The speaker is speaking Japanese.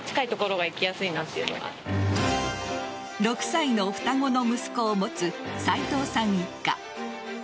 ６歳の双子の息子を持つ齋藤さん一家。